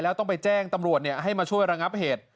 แล้วต้องไปแจ้งตำรวจให้มาช่วยระงับเหตุ